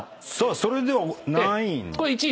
それでは何位。